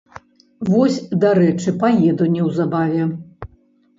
Вось, дарэчы, паеду неўзабаве.